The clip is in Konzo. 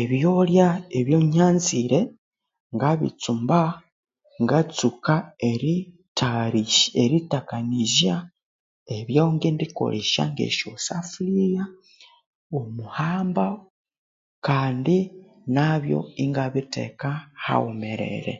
Ebyolya ebyonyanzire ngabitsumba ngatsuka erittayarisya erittakanizya ebyongendi kolesya ngesyosaffulia omuhamba kandi nabyo ingabitheka haghumere